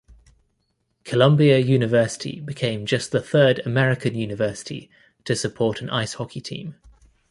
Columbia University became just the third American university to support an ice hockey team.